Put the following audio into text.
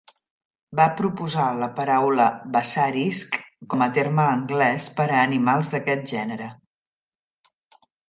Va proposar la paraula bassarisk com a terme anglès per a animals d'aquest gènere.